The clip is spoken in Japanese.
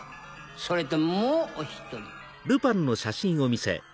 それともうお１人。